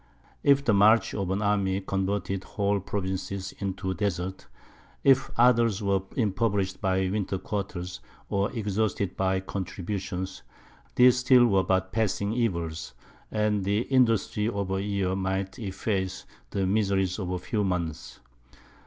If the march of an army converted whole provinces into deserts, if others were impoverished by winter quarters, or exhausted by contributions, these still were but passing evils, and the industry of a year might efface the miseries of a few months.